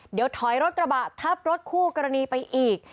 เดี๋ยวถอยรถกระบะทับรถคู่กรณีไปอีก